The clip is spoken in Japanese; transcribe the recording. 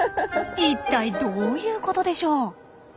一体どういうことでしょう？